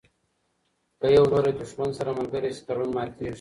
که یو لوری له دښمن سره ملګری شي تړون ماتیږي.